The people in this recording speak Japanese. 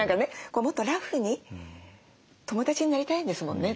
こうもっとラフに友達になりたいんですもんね。